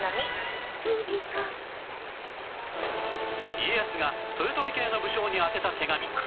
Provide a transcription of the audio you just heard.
家康が豊臣系の武将に宛てた手紙